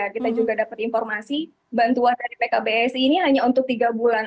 kita juga dapat informasi bantuan dari pkbsi ini hanya untuk tiga bulan